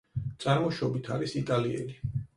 წარმოშობით არის იტალიელი.